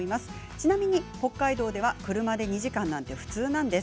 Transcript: ちなみに北海道では車で２時間なんて普通なんです。